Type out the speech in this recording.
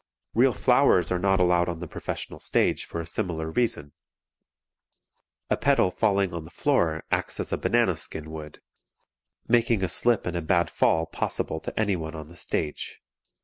Real flowers are not allowed on the professional stage for a similar reason. A flower petal falling on the floor acts as a banana skin would, making a slip and a bad fall possible to anyone on the stage.